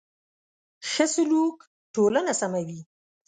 ښه سلوک ټولنه سموي.